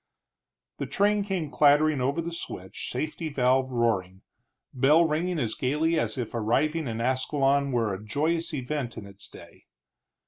The train came clattering over the switch, safety valve roaring, bell ringing as gaily as if arriving in Ascalon were a joyous event in its day.